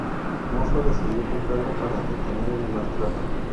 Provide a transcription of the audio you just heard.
Mozo decidió comprarlo para detener el maltrato.